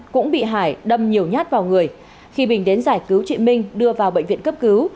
cũng bị hải đâm nhiều nhát vào người khi bình đến giải cứu chị minh đưa vào bệnh viện cấp cứu